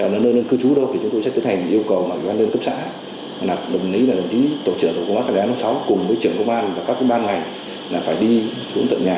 nơi cư trú đâu thì chúng tôi sẽ tiến hành yêu cầu bằng nơi cấp xã